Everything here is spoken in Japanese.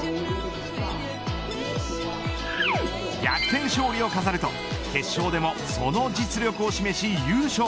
逆転勝利を飾ると、決勝でもその実力を示し優勝。